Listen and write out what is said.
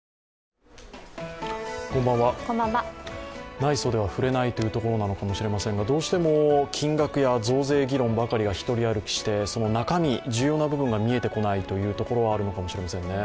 ない袖は振れないということかもしれませんがどうしても金額や増税議論ばかりがひとり歩きしてその中身、重要な部分が見えてこないというところはあるのかもしれませんね。